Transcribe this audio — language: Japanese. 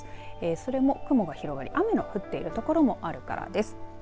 それも雲が広がり雨が降っている所もあるからです。